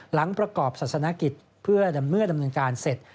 หลังประกอบศาสนกิจเพื่อเมื่อดำเนินการเสร็จ